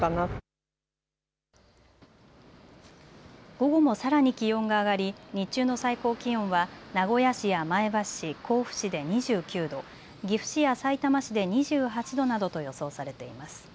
午後もさらに気温が上がり日中の最高気温は名古屋市や前橋市、甲府市で２９度、岐阜市やさいたま市で２８度などと予想されています。